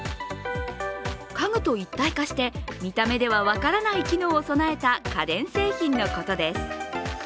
家具と一体化して見た目では分からない機能を備えた家電製品のことです。